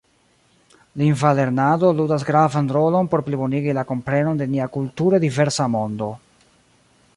Lingva lernado ludas gravan rolon por plibonigi la komprenon de nia kulture diversa mondo.